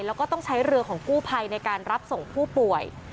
แล้วก็ต้องใช้เรือของกู้ภัยในการรับส่งผู้ป่วย